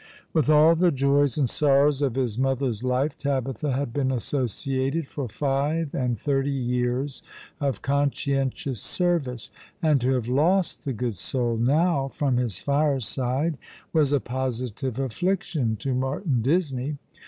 i With all the joys and sorrows of his mother's life Tabitha had been associated for five and thirty years of conscientious service ; and to have lost the good soul now from his fireside was a positive aflfliction to Martin Disney.